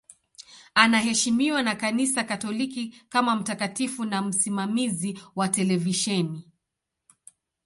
Anaheshimiwa na Kanisa Katoliki kama mtakatifu na msimamizi wa televisheni.